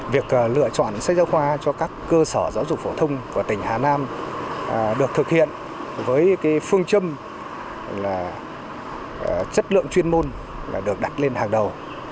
việc lựa chọn sách giáo khoa cho các cơ sở giáo dục phổ thông của tỉnh hà nam được thực hiện với phương châm chất lượng chuyên môn được đặt lên hàng đầu